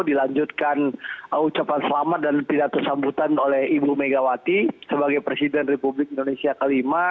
dilanjutkan ucapan selamat dan pidato sambutan oleh ibu megawati sebagai presiden republik indonesia kelima